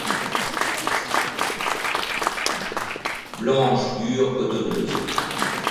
Blanche, dure, cotonneuse.